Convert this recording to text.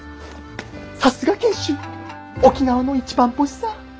「さすが賢秀沖縄の一番星さ」。